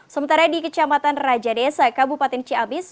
sementara di kecamatan raja desa kabupaten ciamis